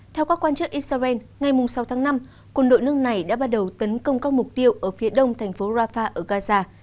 theo các quan chức israel ngày sáu tháng năm quân đội nước này đã bắt đầu tấn công các mục tiêu ở phía đông thành phố rafah ở gaza